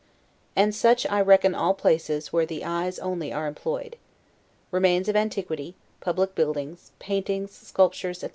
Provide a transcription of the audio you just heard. And such I reckon all places where the eyes only are employed. Remains of antiquity, public buildings, paintings, sculptures, etc.